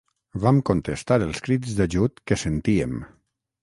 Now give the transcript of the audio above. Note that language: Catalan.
Vam contestar els crits d'ajut que sentíem.